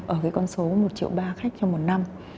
ở cái con số một triệu ba khách trong một năm